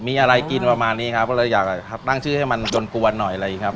มีอะไรกินประมาณนี้ครับเราอยากตั้งชื่อให้มันยนต์กวนหน่อยเลยครับ